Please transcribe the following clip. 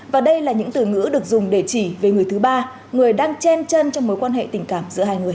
và đây là những từ ngữ được dùng để chỉ về người thứ ba người đang chen chân trong mối quan hệ tình cảm giữa hai người